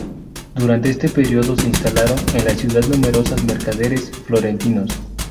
Durante este periodo se instalaron en la ciudad numerosos mercaderes florentinos.